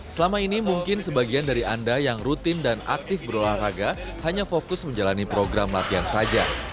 selama ini mungkin sebagian dari anda yang rutin dan aktif berolahraga hanya fokus menjalani program latihan saja